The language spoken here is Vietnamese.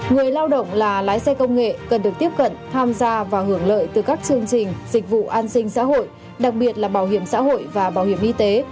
người lao động là lái xe công nghệ cần được tiếp cận tham gia và hưởng lợi từ các chương trình dịch vụ an sinh xã hội đặc biệt là bảo hiểm xã hội và bảo hiểm y tế